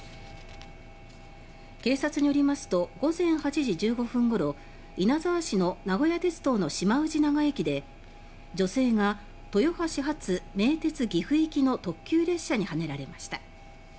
警察によりますと午前８時１５分ごろ稲沢市の名古屋鉄道の島氏永駅で女性が豊橋発名鉄岐阜行きの特急列車にはねられました。